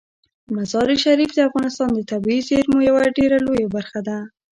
مزارشریف د افغانستان د طبیعي زیرمو یوه ډیره لویه برخه ده.